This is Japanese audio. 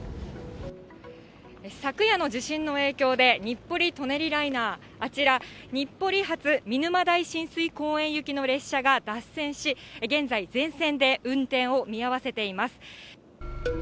昨夜の地震の影響で、日暮里・舎人ライナー、あちら、日暮里発見沼代親水公園行きの電車が脱線し、現在、全線で運転を見合わせています。